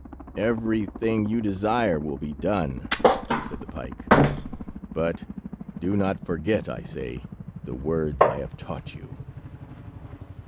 "Everything you desire will be done," said the pike; "but do not forget, I say, the words I have taught you."